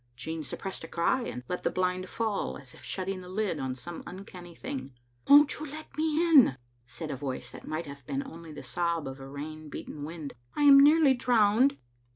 Jean suppressed a cry, and let the blind fall, as if shutting the lid on some uncanny thing. "Won't you let me in?" said a voice that might have been only the sob of a rain beaten wind ;" I am nearly drowned."